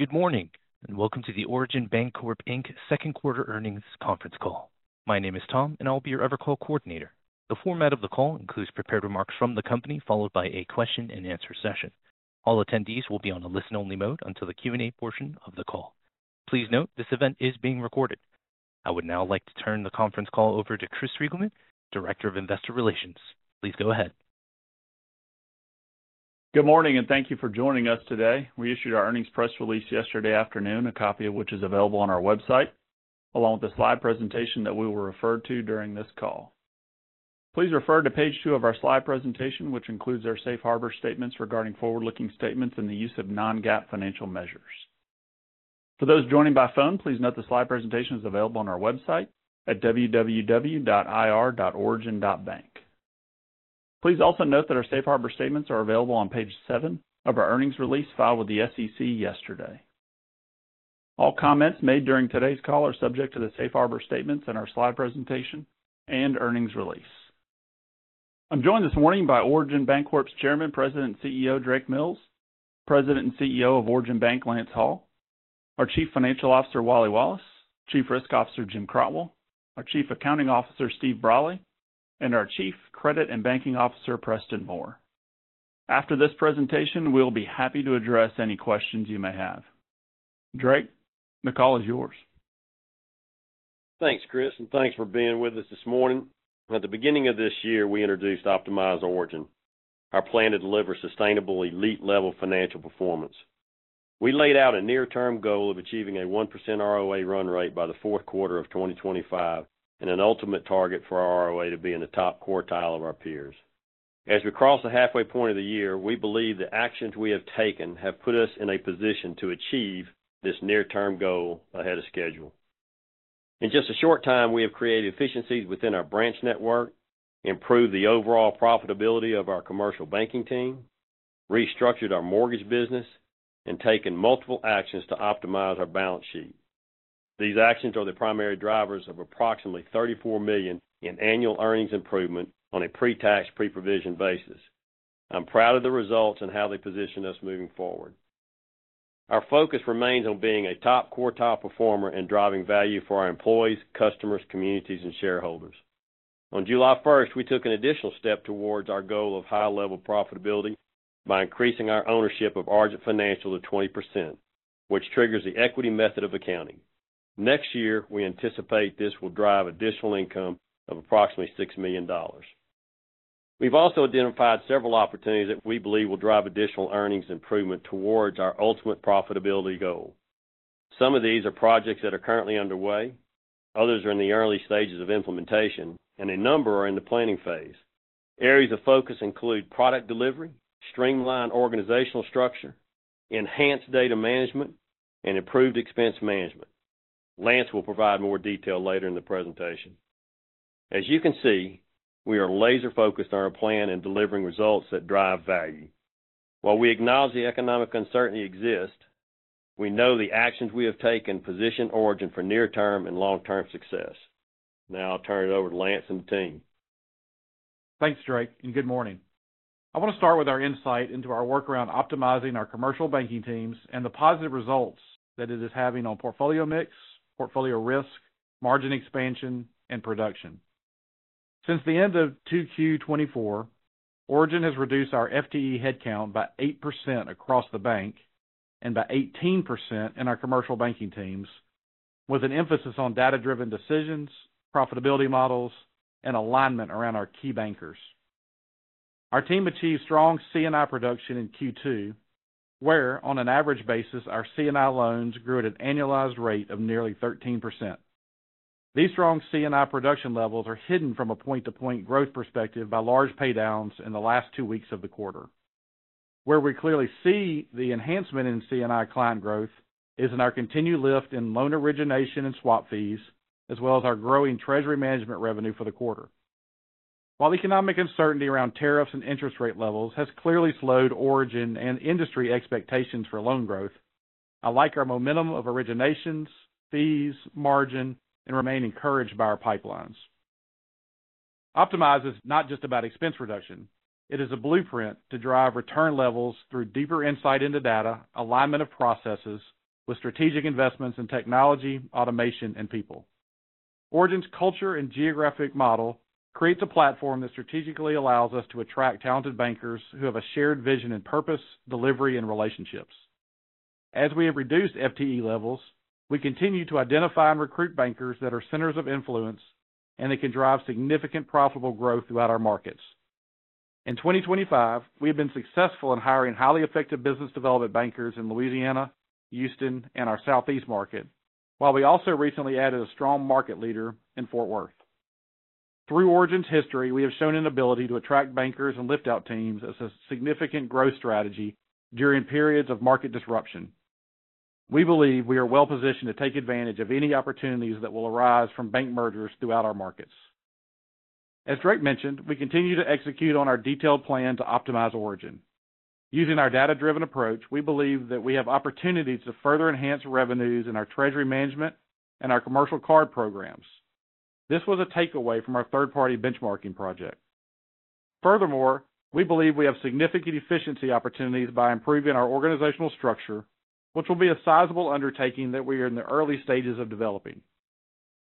Good morning and welcome to the Origin Bancorp Inc Second Quarter Earnings Conference Call. My name is Tom and I'll be your EverCall Coordinator. The format of the call includes prepared remarks from the company, followed by a question and answer session. All attendees will be on a listen-only mode until the Q&A portion of the call. Please note this event is being recorded. I would now like to turn the conference call over to Chris Reigelman, Director of Investor Relations. Please go ahead. Good morning and thank you for joining us today. We issued our earnings press release yesterday afternoon, a copy of which is available on our website, along with the slide presentation that we will refer to during this call. Please refer to page two of our slide presentation, which includes our Safe Harbor statements regarding forward-looking statements and the use of non-GAAP financial measures. For those joining by phone, please note the slide presentation is available on our website at www.ir.origin.bank. Please also note that our Safe Harbor statements are available on page seven of our earnings release filed with the SEC yesterday. All comments made during today's call are subject to the Safe Harbor statements in our slide presentation and earnings release. I'm joined this morning by Origin Bancorp's Chairman, President and CEO, Drake Mills, President and CEO of Origin Bank, Lance Hall, our Chief Financial Officer, Wally Wallace, Chief Risk Officer, Jim Crotwell, our Chief Accounting Officer, Stephen Brolly, and our Chief Credit and Banking Officer, Preston Moore. After this presentation, we'll be happy to address any questions you may have. Drake, the call is yours. Thanks, Chris, and thanks for being with us this morning. At the beginning of this year, we introduced Optimize Origin, our plan to deliver sustainable elite-level financial performance. We laid out a near-term goal of achieving a 1% ROA run rate by the fourth quarter of 2025, and an ultimate target for our ROA to be in the top quartile of our peers. As we cross the halfway point of the year, we believe the actions we have taken have put us in a position to achieve this near-term goal ahead of schedule. In just a short time, we have created efficiencies within our branch network, improved the overall profitability of our commercial banking team, restructured our mortgage business, and taken multiple actions to optimize our balance sheet. These actions are the primary drivers of approximately $34 million in annual earnings improvement on a pre-tax, pre-provision basis. I'm proud of the results and how they position us moving forward. Our focus remains on being a top quartile performer and driving value for our employees, customers, communities, and shareholders. On July 1st, we took an additional step towards our goal of high-level profitability by increasing our ownership of Argent Financial Group to 20%, which triggers the equity method of accounting. Next year, we anticipate this will drive additional income of approximately $6 million. We've also identified several opportunities that we believe will drive additional earnings improvement towards our ultimate profitability goal. Some of these are projects that are currently underway, others are in the early stages of implementation, and a number are in the planning phase. Areas of focus include product delivery, streamlined organizational structure, enhanced data management, and improved expense management. Lance will provide more detail later in the presentation. As you can see, we are laser-focused on our plan and delivering results that drive value. While we acknowledge the economic uncertainty exists, we know the actions we have taken position Origin for near-term and long-term success. Now I'll turn it over to Lance and the team. Thanks, Drake, and good morning. I want to start with our insight into our work around optimizing our commercial banking teams and the positive results that it is having on portfolio mix, portfolio risk, margin expansion, and production. Since the end of Q2 2024, Origin has reduced our FTE headcount by 8% across the bank and by 18% in our commercial banking teams, with an emphasis on data-driven decisions, profitability models, and alignment around our key bankers. Our team achieved strong C&I production in Q2, where on an average basis, our C&I loans grew at an annualized rate of nearly 13%. These strong C&I production levels are hidden from a point-to-point growth perspective by large paydowns in the last two weeks of the quarter. Where we clearly see the enhancement in C&I client growth is in our continued lift in loan origination and swap fees, as well as our growing treasury management revenue for the quarter. While the economic uncertainty around tariffs and interest rate levels has clearly slowed Origin and industry expectations for loan growth, I like our momentum of originations, fees, margin, and remain encouraged by our pipelines. Optimizeis not just about expense reduction; it is a blueprint to drive return levels through deeper insight into data, alignment of processes with strategic investments in technology, automation, and people. Origin's culture and geographic model create a platform that strategically allows us to attract talented bankers who have a shared vision and purpose, delivery, and relationships. As we have reduced FTE levels, we continue to identify and recruit bankers that are centers of influence, and they can drive significant profitable growth throughout our markets. In 2025, we have been successful in hiring highly effective business development bankers in Louisiana, Houston, and our Southeast market, while we also recently added a strong market leader in Fort Worth. Through Origin's history, we have shown an ability to attract bankers and lift-out teams as a significant growth strategy during periods of market disruption. We believe we are well-positioned to take advantage of any opportunities that will arise from bank mergers throughout our markets. As Drake mentioned, we continue to execute on our detailed plan to optimize Origin. Using our data-driven approach, we believe that we have opportunities to further enhance revenues in our treasury management and our commercial card programs. This was a takeaway from our third-party benchmarking project. Furthermore, we believe we have significant efficiency opportunities by improving our organizational structure, which will be a sizable undertaking that we are in the early stages of developing.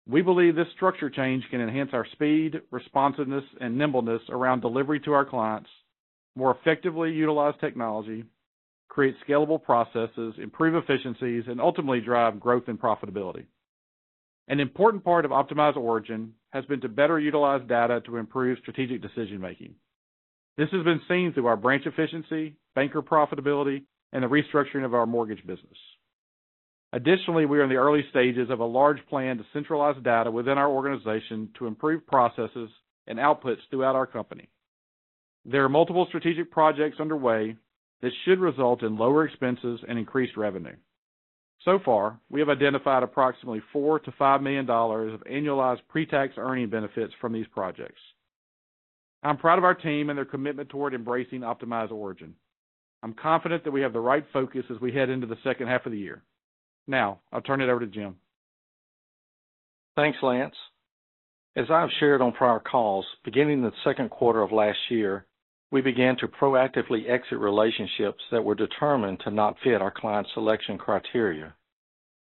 We believe this structure change can enhance our speed, responsiveness, and nimbleness around delivery to our clients, more effectively utilize technology, create scalable processes, improve efficiencies, and ultimately drive growth and profitability. An important part of Optimize Origin has been to better utilize data to improve strategic decision-making. This has been seen through our branch efficiency, banker profitability, and the restructuring of our mortgage business. Additionally, we are in the early stages of a large plan to centralize data within our organization to improve processes and outputs throughout our company. There are multiple strategic projects underway that should result in lower expenses and increased revenue. We have identified approximately $4 to $5 million of annualized pre-tax earning benefits from these projects. I'm proud of our team and their commitment toward embracing Optimize Origin. I'm confident that we have the right focus as we head into the second half of the year. Now, I'll turn it over to Jim. Thanks, Lance. As I have shared on prior calls, beginning the second quarter of last year, we began to proactively exit relationships that were determined to not fit our client selection criteria.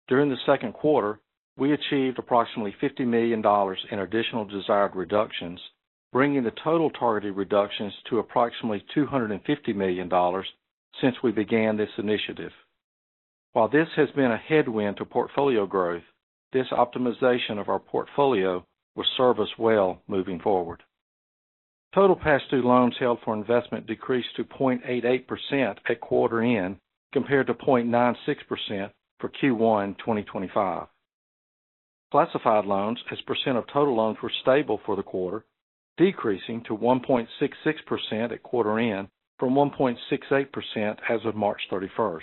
During the second quarter, we achieved approximately $50 million in additional desired reductions, bringing the total targeted reductions to approximately $250 million since we began this initiative. While this has been a headwind to portfolio growth, this optimization of our portfolio will serve us well moving forward. Total pass-through loans held for investment decreased to 0.88% at quarter-end compared to 0.96% for Q1 2025. Classified loans, as percent of total loans, were stable for the quarter, decreasing to 1.66% at quarter-end from 1.68% as of March 31st.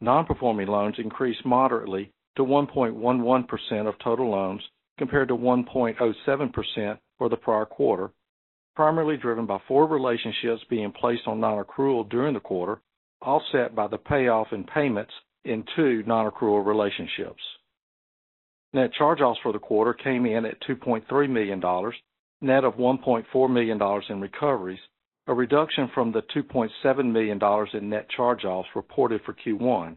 Non-performing loans increased moderately to 1.11% of total loans compared to 1.07% for the prior quarter, primarily driven by four relationships being placed on non-accrual during the quarter, offset by the payoff in payments in two non-accrual relationships. Net charge-offs for the quarter came in at $2.3 million, net of $1.4 million in recoveries, a reduction from the $2.7 million in net charge-offs reported for Q1.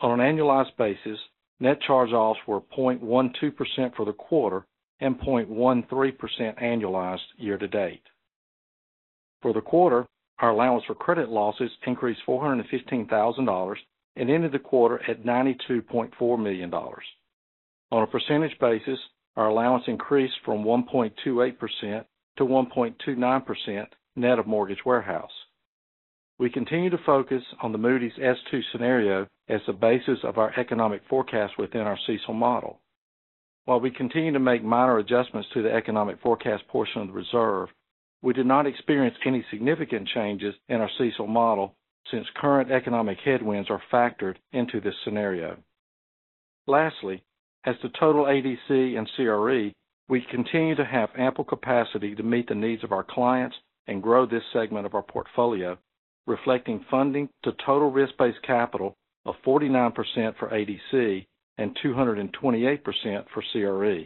On an annualized basis, net charge-offs were 0.12% for the quarter and 0.13% annualized year to date. For the quarter, our allowance for credit losses increased $415,000 and ended the quarter at $92.4 million. On a percentage basis, our allowance increased from 1.28% to 1.29% net of mortgage warehouse. We continue to focus on the Moody's S2 scenario as the basis of our economic forecast within our CECL model. While we continue to make minor adjustments to the economic forecast portion of the reserve, we did not experience any significant changes in our CECL model since current economic headwinds are factored into this scenario. Lastly, as to total ADC and CRE, we continue to have ample capacity to meet the needs of our clients and grow this segment of our portfolio, reflecting funding to total risk-based capital of 49% for ADC and 228% for CRE.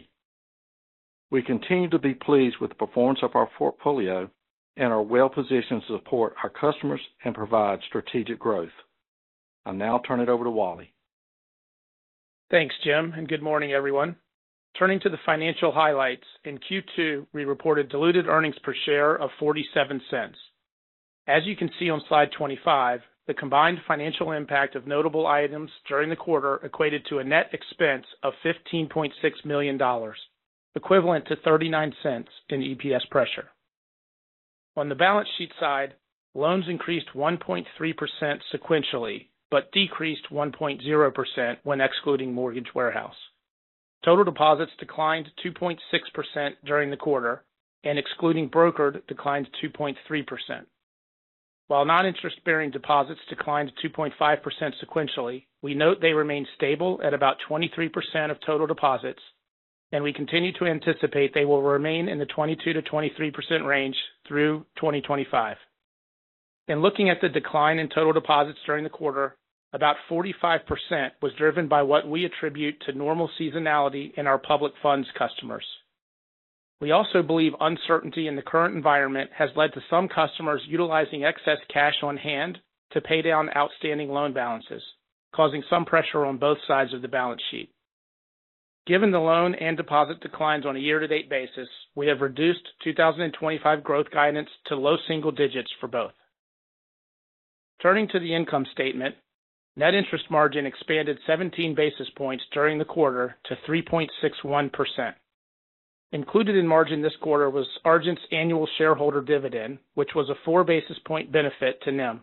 We continue to be pleased with the performance of our portfolio and are well-positioned to support our customers and provide strategic growth. I'll now turn it over to Wally. Thanks, Jim, and good morning, everyone. Turning to the financial highlights, in Q2, we reported diluted earnings per share of $0.47. As you can see on slide 25, the combined financial impact of notable items during the quarter equated to a net expense of $15.6 million, equivalent to $0.39 in EPS pressure. On the balance sheet side, loans increased 1.3% sequentially, but decreased 1.0% when excluding mortgage warehouse. Total deposits declined 2.6% during the quarter, and excluding brokered declined 2.3%. While noninterest-bearing deposits declined 2.5% sequentially, we note they remain stable at about 23% of total deposits, and we continue to anticipate they will remain in the 22% to 23% range through 2025. In looking at the decline in total deposits during the quarter, about 45% was driven by what we attribute to normal seasonality in our public funds customers. We also believe uncertainty in the current environment has led to some customers utilizing excess cash on hand to pay down outstanding loan balances, causing some pressure on both sides of the balance sheet. Given the loan and deposit declines on a year-to-date basis, we have reduced 2025 growth guidance to low single digits for both. Turning to the income statement, net interest margin expanded 17 basis points during the quarter to 3.61%. Included in margin this quarter was Argent Financial Group's annual shareholder dividend, which was a four basis point benefit to NIM.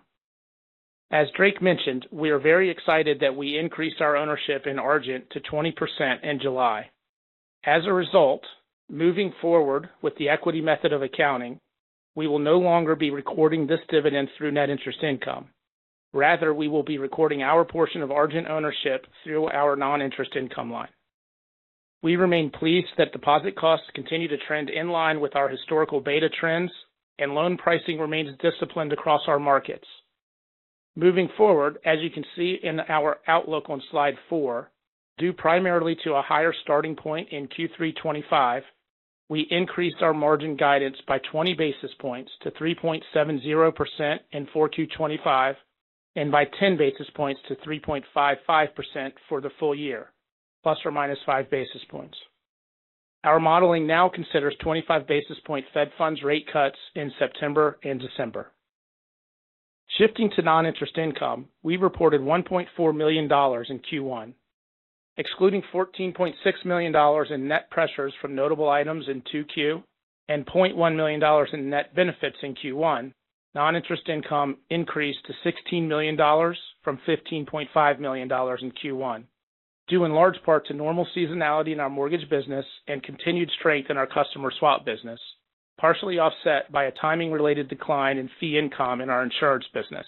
As Drake mentioned, we are very excited that we increased our ownership in Argent Financial Group to 20% in July. As a result, moving forward with the equity method of accounting, we will no longer be recording this dividend through net interest income. Rather, we will be recording our portion of Argent Financial Group ownership through our noninterest income line. We remain pleased that deposit costs continue to trend in line with our historical beta trends, and loan pricing remains disciplined across our markets. Moving forward, as you can see in our outlook on slide four, due primarily to a higher starting point in Q3 2025, we increased our margin guidance by 20 basis points to 3.70% in Q4 2025, and by 10 basis points to 3.55% for the full year, plus or minus 5 basis points. Our modeling now considers 25 basis point Fed funds rate cuts in September and December. Shifting to noninterest income, we reported $1.4 million in Q1. Excluding $14.6 million in net pressures from notable items in Q2 and $0.1 million in net benefits in Q1, non-interest income increased to $16 million from $15.5 million in Q1, due in large part to normal seasonality in our mortgage business and continued strength in our customer swap business, partially offset by a timing-related decline in fee income in our insurance business.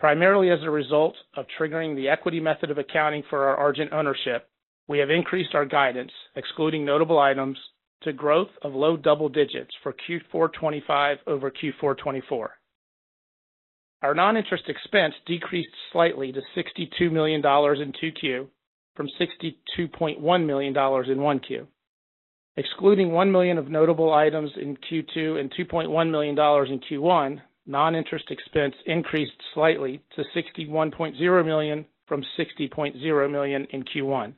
Primarily as a result of triggering the equity method accounting for our Argent Financial Group ownership, we have increased our guidance, excluding notable items, to growth of low double digits for Q4 2025 over Q4 2024. Our non-interest expense decreased slightly to $62 million in Q2 from $62.1 million in Q1. Excluding $1 million of notable items in Q2 and $2.1 million in Q1, non-interest expense increased slightly to $61 million from $60 million in Q1,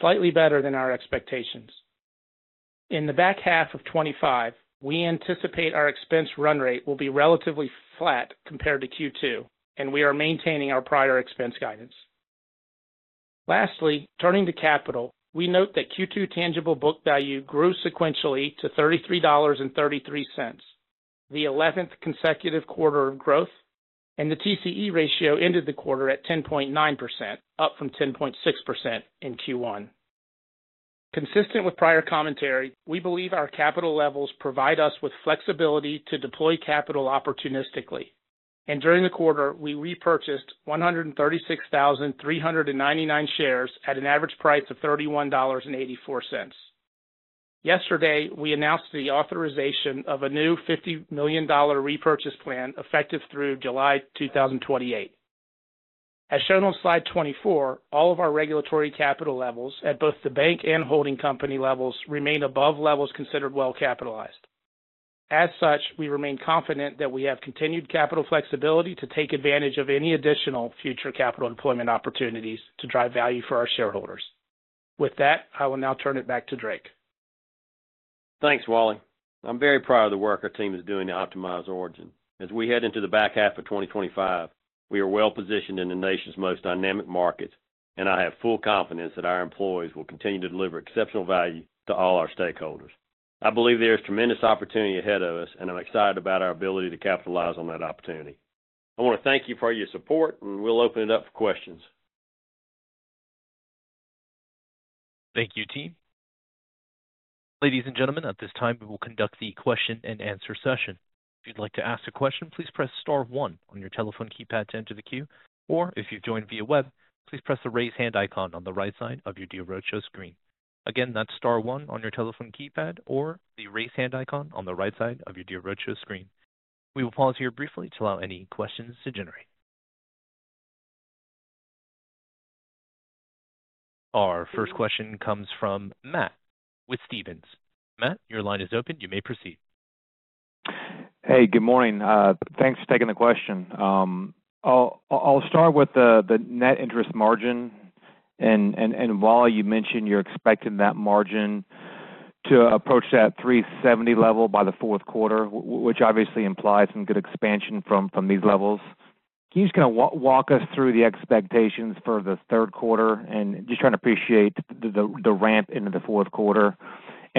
slightly better than our expectations. In the back half of Q2 2025, we anticipate our expense run rate will be relatively flat compared to Q2, and we are maintaining our prior expense guidance. Lastly, turning to capital, we note that Q2 tangible book value grew sequentially to $33.33, the 11th consecutive quarter of growth, and the TCE ratio ended the quarter at 10.9%, up from 10.6% in Q1. Consistent with prior commentary, we believe our capital levels provide us with flexibility to deploy capital opportunistically, and during the quarter, we repurchased 136,399 shares at an average price of $31.84. Yesterday, we announced the authorization of a new $50 million repurchase plan effective through July 2028. As shown on slide 24, all of our regulatory capital levels at both the bank and holding company levels remain above levels considered well-capitalized. As such, we remain confident that we have continued capital flexibility to take advantage of any additional future capital deployment opportunities to drive value for our shareholders. With that, I will now turn it back to Drake. Thanks, Wally. I'm very proud of the work our team is doing to optimize Origin. As we head into the back half of 2025, we are well-positioned in the nation's most dynamic markets, and I have full confidence that our employees will continue to deliver exceptional value to all our stakeholders. I believe there is tremendous opportunity ahead of us, and I'm excited about our ability to capitalize on that opportunity. I want to thank you for all your support, and we'll open it up for questions. Thank you, team. Ladies and gentlemen, at this time, we will conduct the question and answer session. If you'd like to ask a question, please press star one on your telephone keypad to enter the queue, or if you've joined via web, please press the raise hand icon on the right side of your Deal Roadshow screen. Again, that's star one on your telephone keypad or the raise hand icon on the right side of your Deal Roadshow screen. We will pause here briefly to allow any questions to generate. Our first question comes from Matt with Stephens. Matt, your line is open. You may proceed. Hey, good morning. Thanks for taking the question. I'll start with the net interest margin, and Wally, you mentioned you're expecting that margin to approach that 370 level by the fourth quarter, which obviously implies some good expansion from these levels. Can you just kind of walk us through the expectations for the third quarter, just trying to appreciate the ramp into the fourth quarter?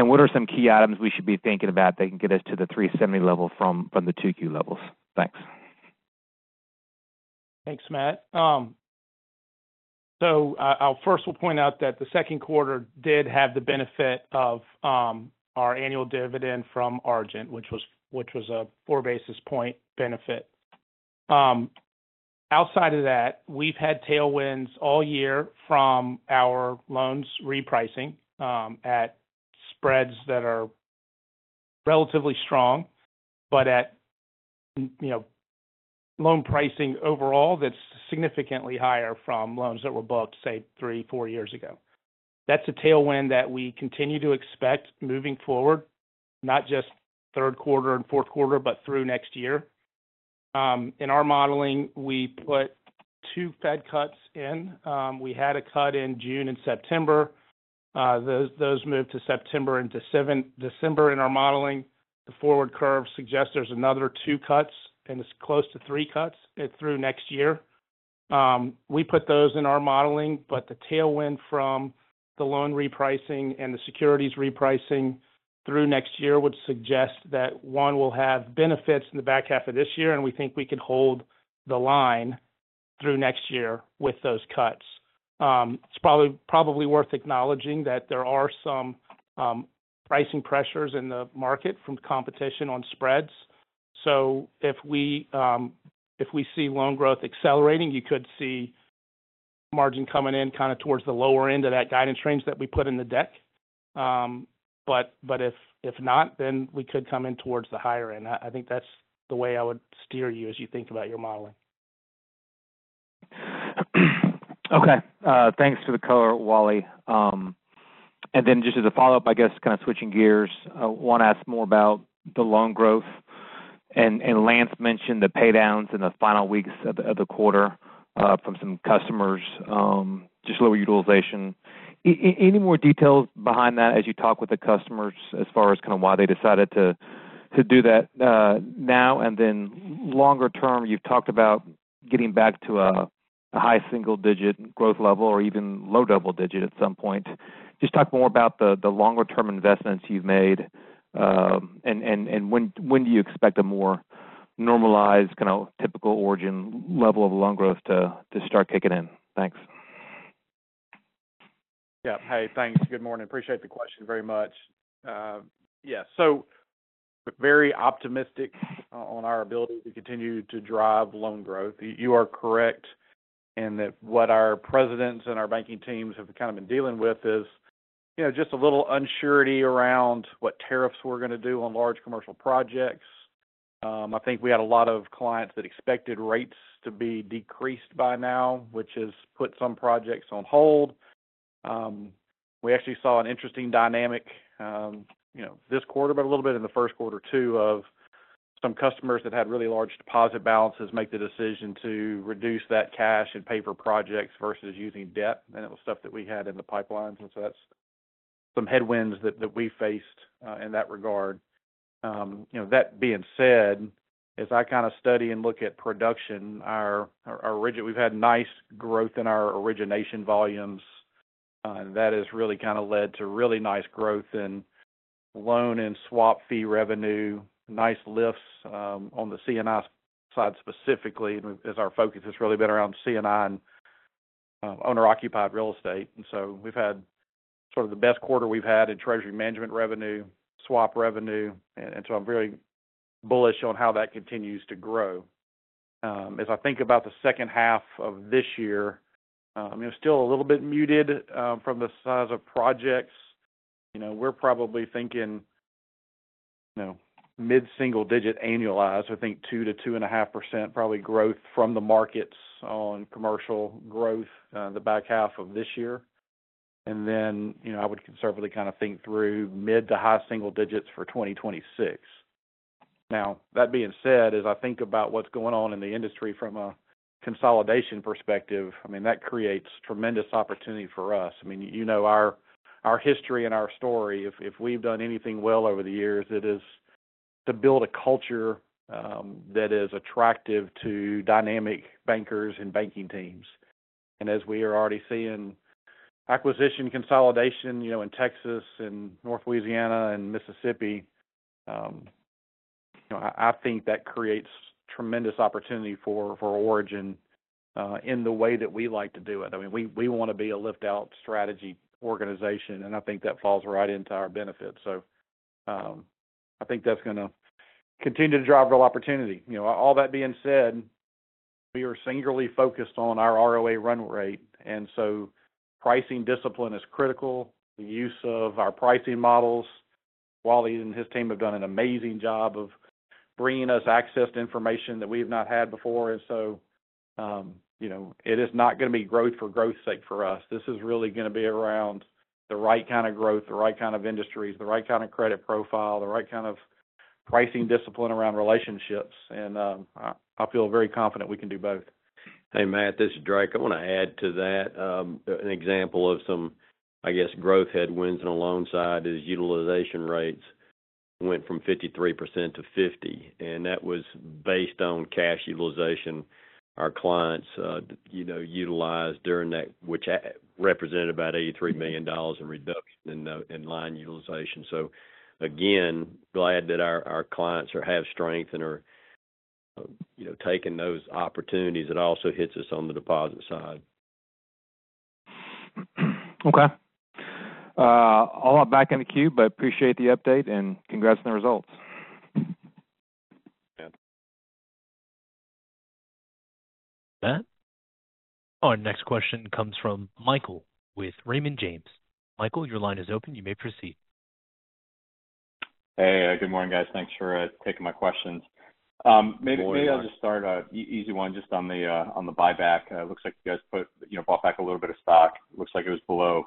What are some key items we should be thinking about that can get us to the 370 level from the Q2 levels? Thanks. Thanks, Matt. First, we'll point out that the second quarter did have the benefit of our annual dividend from Argent Financial Group, which was a 4 basis point benefit. Outside of that, we've had tailwinds all year from our loans repricing at spreads that are relatively strong, but at loan pricing overall that's significantly higher from loans that were booked, say, three, four years ago. That's a tailwind that we continue to expect moving forward, not just third quarter and fourth quarter, but through next year. In our modeling, we put two Fed cuts in. We had a cut in June and September. Those moved to September and December in our modeling. The forward curve suggests there's another two cuts, and it's close to three cuts through next year. We put those in our modeling, but the tailwind from the loan repricing and the securities repricing through next year would suggest that one will have benefits in the back half of this year, and we think we can hold the line through next year with those cuts. It's probably worth acknowledging that there are some pricing pressures in the market from competition on spreads. If we see loan growth accelerating, you could see margin coming in kind of towards the lower end of that guidance range that we put in the deck. If not, then we could come in towards the higher end. I think that's the way I would steer you as you think about your modeling. Okay. Thanks for the color, Wally. Just as a follow-up, I guess kind of switching gears, I want to ask more about the loan growth. Lance mentioned the paydowns in the final weeks of the quarter from some customers, just lower utilization. Any more details behind that as you talk with the customers as far as kind of why they decided to do that now? Longer term, you've talked about getting back to a high single-digit growth level or even low double-digit at some point. Just talk more about the longer-term investments you've made, and when do you expect a more normalized kind of typical Origin level of loan growth to start kicking in? Thanks. Yeah. Hey, thanks. Good morning. Appreciate the question very much. Yeah. Very optimistic on our ability to continue to drive loan growth. You are correct in that what our presidents and our banking teams have kind of been dealing with is just a little unsurety around what tariffs are going to do on large commercial projects. I think we had a lot of clients that expected rates to be decreased by now, which has put some projects on hold. We actually saw an interesting dynamic this quarter, but a little bit in the first quarter too, of some customers that had really large deposit balances make the decision to reduce that cash and pay for projects versus using debt. It was stuff that we had in the pipelines. That is some headwinds that we faced in that regard. That being said, as I kind of study and look at production, at Origin we have had nice growth in our origination volumes. That has really kind of led to really nice growth in loan and swap fee revenue, nice lifts on the C&I side specifically. Our focus has really been around C&I and owner-occupied real estate. We have had sort of the best quarter we have had in treasury management revenue, swap revenue. I am very bullish on how that continues to grow. As I think about the second half of this year, it is still a little bit muted from the size of projects. We are probably thinking mid-single-digit annualized, I think 2% to 2.5% probably growth from the markets on commercial growth in the back half of this year. I would conservatively kind of think through mid to high single digits for 2026. That being said, as I think about what is going on in the industry from a consolidation perspective, that creates tremendous opportunity for us. You know our history and our story. If we have done anything well over the years, it is to build a culture that is attractive to dynamic bankers and banking teams. As we are already seeing acquisition consolidation in Texas and North Louisiana and Mississippi, I think that creates tremendous opportunity for Origin in the way that we like to do it. We want to be a lift-out strategy organization, and I think that falls right into our benefit. I think that is going to continue to drive real opportunity. All that being said, we are singularly focused on our ROA run rate, and pricing discipline is critical. The use of our pricing models, Wally and his team have done an amazing job of bringing us access to information that we have not had before. It is not going to be growth for growth's sake for us. This is really going to be around the right kind of growth, the right kind of industries, the right kind of credit profile, the right kind of pricing discipline around relationships. I feel very confident we can do both. Hey, Matt. This is Drake. I want to add to that. An example of some growth headwinds on the loan side is utilization rates went from 53% to 50%, and that was based on cash utilization our clients utilized during that, which represented about $83 million in reduction in line utilization. Again, glad that our clients have strength and are taking those opportunities. It also hits us on the deposit side. Okay, I'll get back in the queue, but appreciate the update and congrats on the results. Our next question comes from Michael with Raymond James. Michael, your line is open. You may proceed. Hey, good morning, guys. Thanks for taking my questions. Maybe I'll just start an easy one just on the buyback. It looks like you guys bought back a little bit of stock. It looks like it was below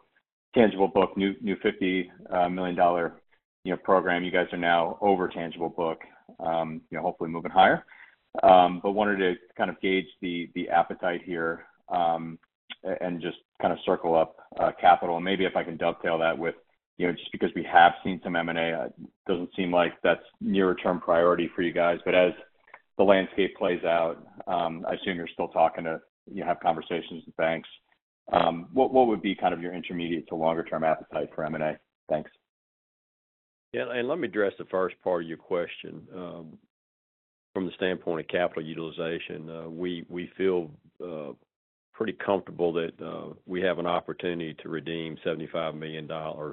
tangible book, new $50 million program. You guys are now over tangible book, you know, hopefully moving higher. Wanted to kind of gauge the appetite here and just kind of circle up capital. Maybe if I can dovetail that with, you know, just because we have seen some M&A, it doesn't seem like that's a nearer-term priority for you guys. As the landscape plays out, I assume you're still talking to, you have conversations with banks. What would be kind of your intermediate to longer-term appetite for M&A? Thanks. Yeah, let me address the first part of your question. From the standpoint of capital utilization, we feel pretty comfortable that we have an opportunity to redeem $75 million of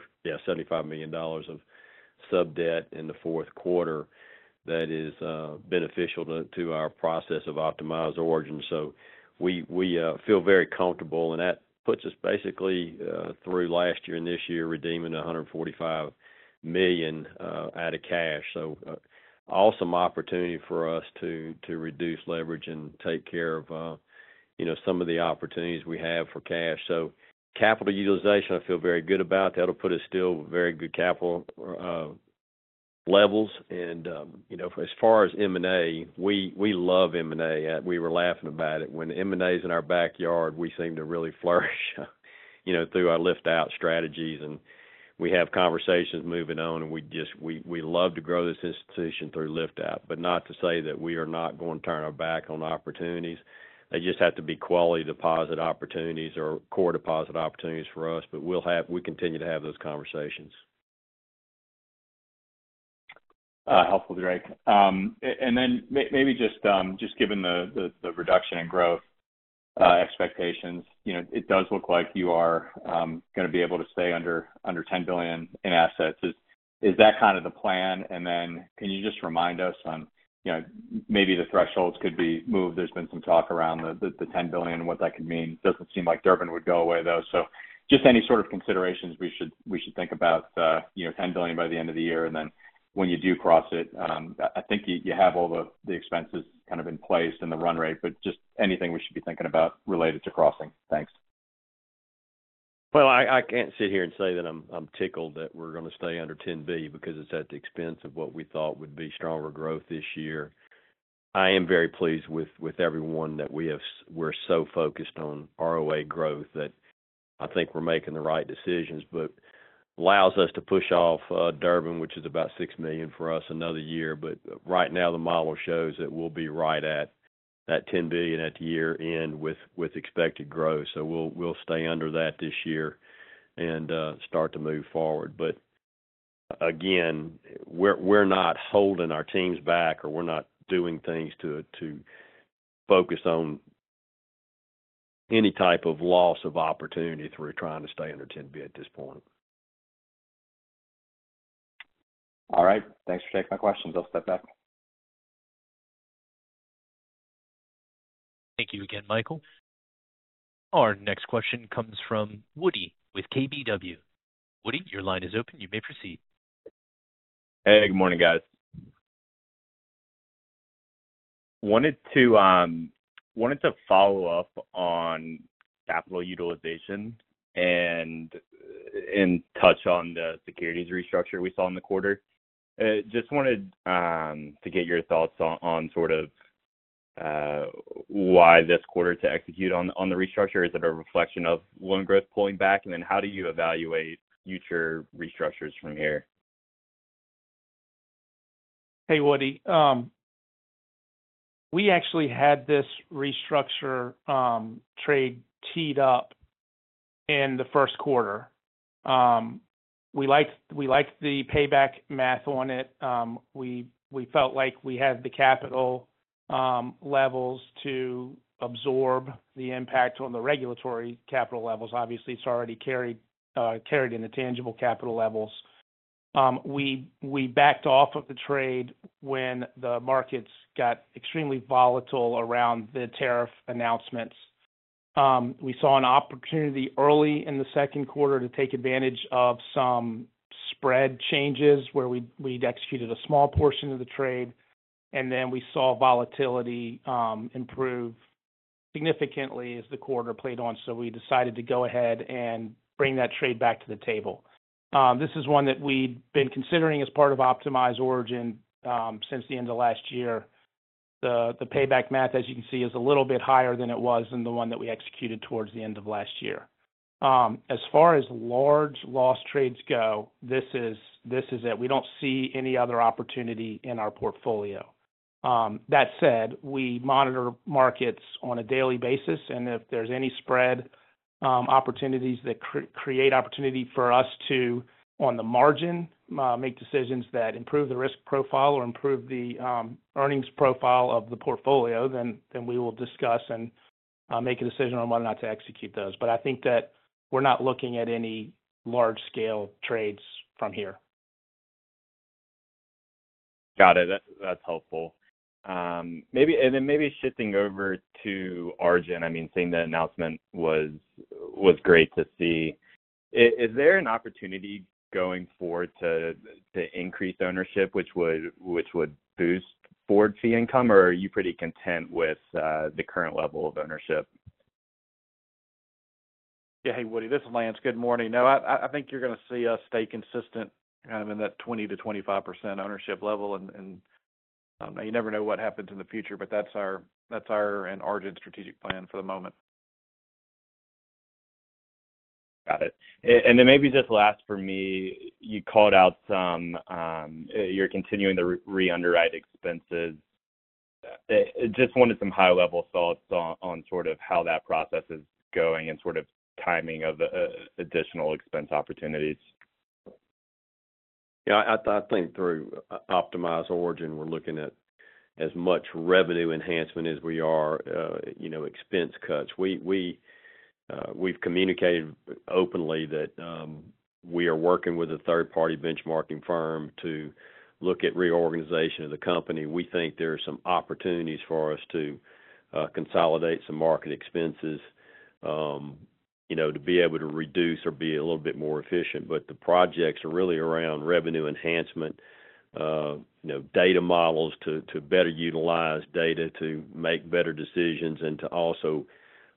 sub debt in the fourth quarter that is beneficial to our process of Optimize Origin. We feel very comfortable, and that puts us basically through last year and this year redeeming $145 million out of cash. An awesome opportunity for us to reduce leverage and take care of some of the opportunities we have for cash. Capital utilization, I feel very good about. That'll put us still at very good capital levels. As far as M&A, we love M&A. We were laughing about it. When M&A is in our backyard, we seem to really flourish through our lift-out strategies. We have conversations moving on, and we just love to grow this institution through lift-out. Not to say that we are not going to turn our back on opportunities. They just have to be quality deposit opportunities or core deposit opportunities for us. We continue to have those conversations. Helpful, Drake. Maybe just given the reduction in growth expectations, it does look like you are going to be able to stay under $10 billion in assets. Is that kind of the plan? Can you just remind us on, maybe the thresholds could be moved? There has been some talk around the $10 billion and what that could mean. It does not seem like Durbin Amendment would go away, though. Just any sort of considerations we should think about, $10 billion by the end of the year. When you do cross it, I think you have all the expenses kind of in place and the run rate, but just anything we should be thinking about related to crossing. Thanks. I can't sit here and say that I'm tickled that we're going to stay under $10 billion because it's at the expense of what we thought would be stronger growth this year. I am very pleased with everyone that we have. We're so focused on ROA growth that I think we're making the right decisions, which allows us to push off Durbin Amendment, which is about $6 million for us, another year. Right now, the model shows that we'll be right at that $10 billion at the year end with expected growth. We'll stay under that this year and start to move forward. Again, we're not holding our teams back or doing things to focus on any type of loss of opportunity through trying to stay under $10 billion at this point. All right. Thanks for taking my questions. I'll step back. Thank you again, Michael. Our next question comes from Woody with Keefe, Bruyette & Woods. Woody, your line is open. You may proceed. Hey, good morning, guys. Wanted to follow up on capital utilization and touch on the securities restructure we saw in the quarter. I just wanted to get your thoughts on sort of why this quarter to execute on the restructure. Is it a reflection of loan growth pulling back? How do you evaluate future restructures from here? Hey, Woody. We actually had this restructure trade teed up in the first quarter. We liked the payback math on it. We felt like we had the capital levels to absorb the impact on the regulatory capital levels. Obviously, it's already carried in the tangible capital levels. We backed off of the trade when the markets got extremely volatile around the tariff announcements. We saw an opportunity early in the second quarter to take advantage of some spread changes where we'd executed a small portion of the trade. We saw volatility improve significantly as the quarter played on. We decided to go ahead and bring that trade back to the table. This is one that we'd been considering as part of Optimize Origin since the end of last year. The payback math, as you can see, is a little bit higher than it was in the one that we executed towards the end of last year. As far as large loss trades go, this is it. We don't see any other opportunity in our portfolio. That said, we monitor markets on a daily basis. If there's any spread opportunities that create opportunity for us to, on the margin, make decisions that improve the risk profile or improve the earnings profile of the portfolio, then we will discuss and make a decision on whether or not to execute those. I think that we're not looking at any large-scale trades from here. Got it. That's helpful. Maybe shifting over to Argent Financial Group. I mean, seeing the announcement was great to see. Is there an opportunity going forward to increase ownership, which would boost board fee income, or are you pretty content with the current level of ownership? Yeah. Hey, Woody. This is Lance. Good morning. I think you're going to see us stay consistent, kind of in that 20% to 25% ownership level. I don't know, you never know what happens in the future, but that's our and Argent Financial Group's strategic plan for the moment. Got it. Maybe just last for me, you called out some you're continuing to re-underwrite expenses. I just wanted some high-level thoughts on sort of how that process is going and sort of timing of additional expense opportunities. Yeah. I think through Optimize Origin, we're looking at as much revenue enhancement as we are, you know, expense cuts. We've communicated openly that we are working with a third-party benchmarking firm to look at reorganization of the company. We think there are some opportunities for us to consolidate some market expenses, you know, to be able to reduce or be a little bit more efficient. The projects are really around revenue enhancement, you know, data models to better utilize data to make better decisions and to also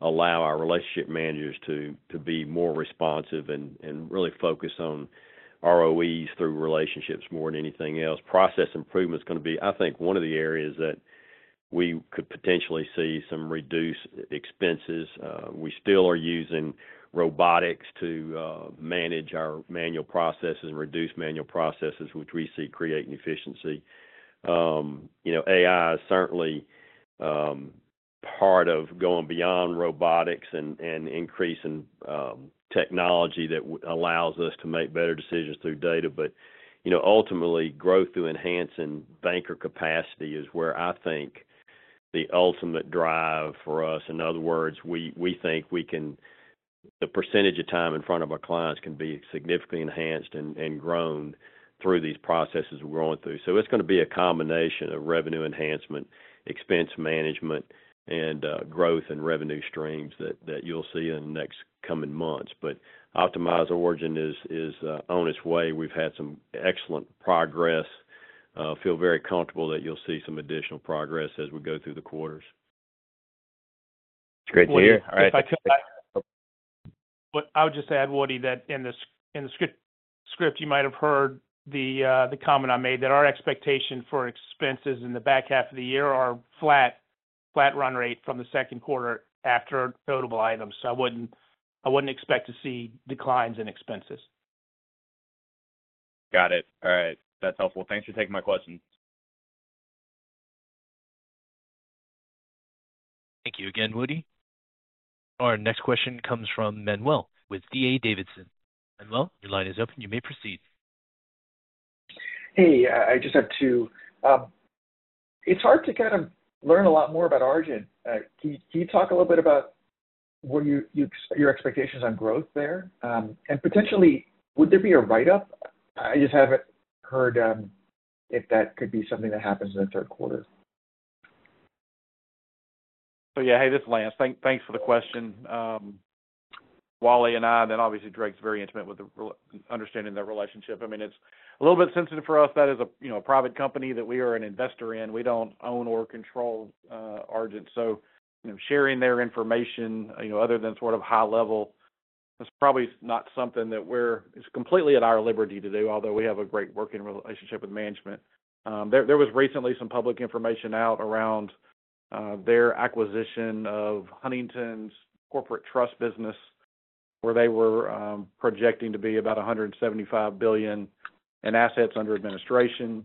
allow our relationship managers to be more responsive and really focus on ROEs through relationships more than anything else. Process improvement is going to be, I think, one of the areas that we could potentially see some reduced expenses. We still are using robotics to manage our manual processes and reduce manual processes, which we see create efficiency. AI is certainly part of going beyond robotics and increasing technology that allows us to make better decisions through data. Ultimately, growth to enhance in banker capacity is where I think the ultimate drive for us. In other words, we think the percentage of time in front of our clients can be significantly enhanced and grown through these processes we're going through. It's going to be a combination of revenue enhancement, expense management, and growth in revenue streams that you'll see in the next coming months. Optimize Origin is on its way. We've had some excellent progress. I feel very comfortable that you'll see some additional progress as we go through the quarters. Great to hear. All right. I would just add, Woody, that in the script you might have heard the comment I made that our expectation for expenses in the back half of the year are flat, flat run rate from the second quarter after notable items. I wouldn't expect to see declines in expenses. Got it. All right, that's helpful. Thanks for taking my questions. Thank you again, Woody. Our next question comes from Manuel Navas with D.A. Davidson & Co. Manuel, your line is open. You may proceed. I just have two. It's hard to kind of learn a lot more about Argent Financial Group. Can you talk a little bit about your expectations on growth there? Potentially, would there be a write-up? I just haven't heard if that could be something that happens in the third quarter. Yeah, this is Lance. Thanks for the question. Wally and I, and then obviously Drake's very intimate with the understanding of the relationship. I mean, it's a little bit sensitive for us. That is a private company that we are an investor in. We don't own or control Argent Financial Group. Sharing their information, other than sort of high level, is probably not something that we're completely at our liberty to do, although we have a great working relationship with management. There was recently some public information out around their acquisition of Huntington Bancshares corporate trust business, where they were projecting to be about $175 billion in assets under administration.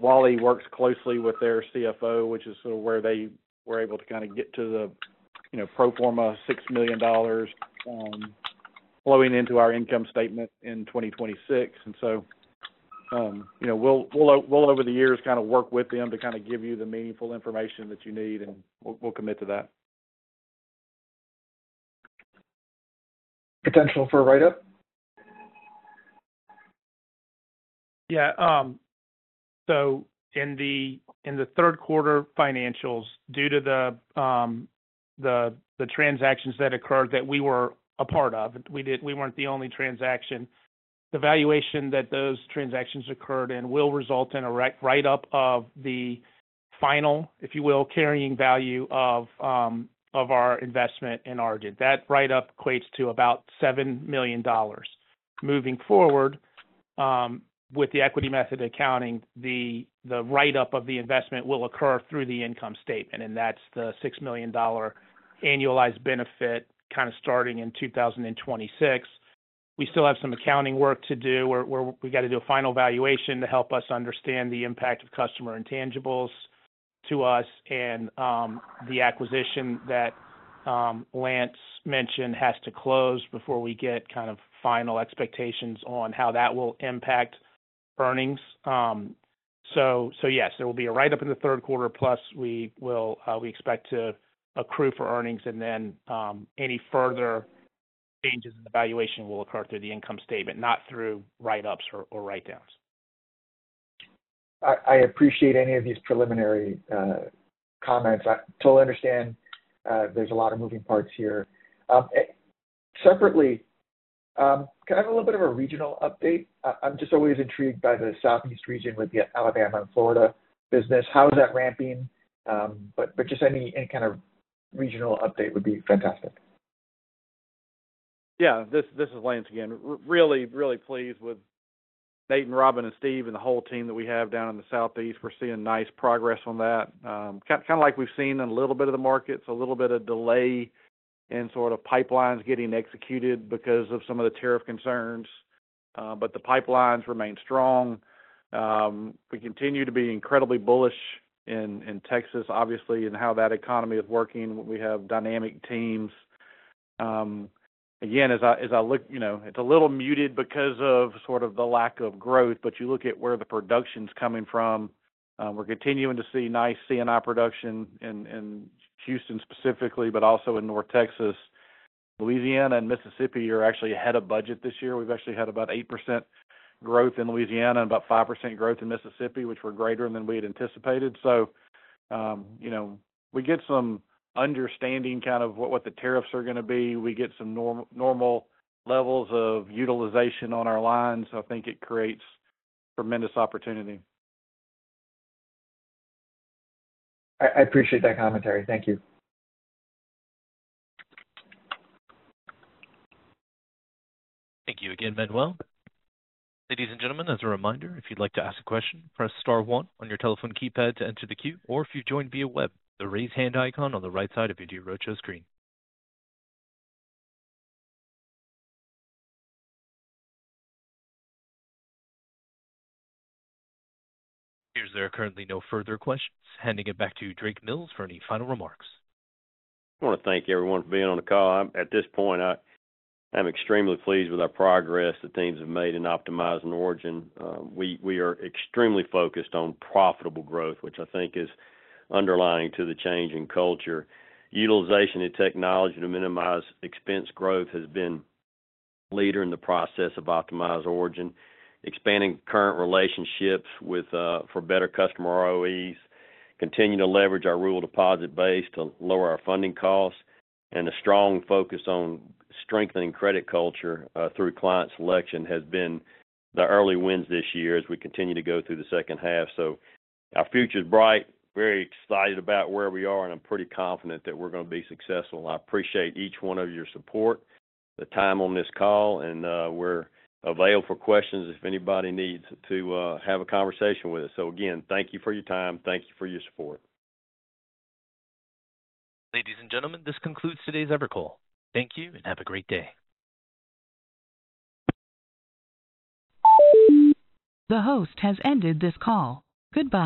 Wally works closely with their CFO, which is sort of where they were able to get to the proforma $6 million flowing into our income statement in 2026. Over the years, we'll kind of work with them to give you the meaningful information that you need, and we'll commit to that. Potential for a write-up? Yeah. In the third quarter financials, due to the transactions that occurred that we were a part of, we weren't the only transaction. The valuation that those transactions occurred in will result in a write-up of the final, if you will, carrying value of our investment in Argent Financial Group. That write-up equates to about $7 million. Moving forward, with the equity method accounting, the write-up of the investment will occur through the income statement, and that's the $6 million annualized benefit kind of starting in 2026. We still have some accounting work to do where we got to do a final valuation to help us understand the impact of customer intangibles to us and the acquisition that Lance mentioned has to close before we get kind of final expectations on how that will impact earnings. Yes, there will be a write-up in the third quarter, plus we expect to accrue for earnings, and then any further changes in the valuation will occur through the income statement, not through write-ups or write-downs. I appreciate any of these preliminary comments. I totally understand there's a lot of moving parts here. Separately, can I have a little bit of a regional update? I'm just always intrigued by the Southeast region with the Alabama and Florida business. How is that ramping? Any kind of regional update would be fantastic. Yeah. This is Lance again. Really, really pleased with Nate and Robin and Steve and the whole team that we have down in the Southeast. We're seeing nice progress on that. Kind of like we've seen in a little bit of the markets, a little bit of delay in sort of pipelines getting executed because of some of the tariff concerns. The pipelines remain strong. We continue to be incredibly bullish in Texas, obviously, and how that economy is working. We have dynamic teams. Again, as I look, you know, it's a little muted because of sort of the lack of growth, but you look at where the production is coming from. We're continuing to see nice C&I production in Houston specifically, but also in North Texas. Louisiana and Mississippi are actually ahead of budget this year. We've actually had about 8% growth in Louisiana and about 5% growth in Mississippi, which were greater than we had anticipated. You know, we get some understanding kind of what the tariffs are going to be. We get some normal levels of utilization on our lines. I think it creates tremendous opportunity. I appreciate that commentary. Thank you. Thank you again, Manuel. Ladies and gentlemen, as a reminder, if you'd like to ask a question, press star one on your telephone keypad to enter the queue, or if you've joined via web, use the raise hand icon on the right side of your DealRoadshow screen. As there are currently no further questions, handing it back to Drake Mills for any final remarks. I want to thank everyone for being on the call. At this point, I'm extremely pleased with our progress the teams have made in Optimizing Origin. We are extremely focused on profitable growth, which I think is underlying to the change in culture. Utilization of technology to minimize expense growth has been a leader in the process of Optimize Origin, expanding current relationships for better customer ROEs, continuing to leverage our rural deposit base to lower our funding costs, and a strong focus on strengthening credit culture through client selection has been the early wins this year as we continue to go through the second half. Our future is bright. Very excited about where we are, and I'm pretty confident that we're going to be successful. I appreciate each one of your support, the time on this call, and we're available for questions if anybody needs to have a conversation with us. Again, thank you for your time. Thank you for your support. Ladies and gentlemen, this concludes today's call. Thank you and have a great day. The host has ended this call. Goodbye.